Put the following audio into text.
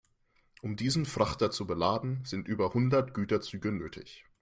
Um diesen Frachter zu beladen, sind über hundert Güterzüge nötig.